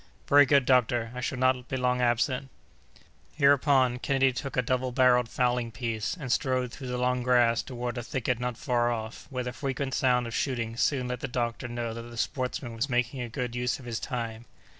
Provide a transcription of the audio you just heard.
"Very good, doctor, I shall not be long absent." Hereupon, Kennedy took a double barrelled fowling piece, and strode through the long grass toward a thicket not far off, where the frequent sound of shooting soon let the doctor know that the sportsman was making a good use of his time.